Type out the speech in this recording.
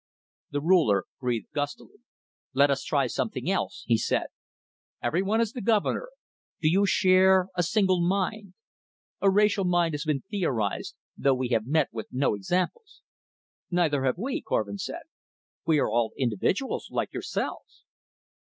The Ruler breathed gustily. "Let us try something else," he said. "Everyone is the governor. Do you share a single mind? A racial mind has been theorized, though we have met with no examples " "Neither have we," Korvin said. "We are all individuals, like yourselves."